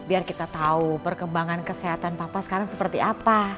biar kita tahu perkembangan kesehatan papa sekarang seperti apa